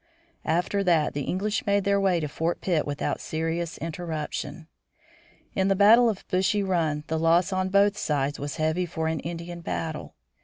After that the English made their way to Fort Pitt without serious interruption. In the battle of Bushy Run the loss on both sides was heavy for an Indian battle.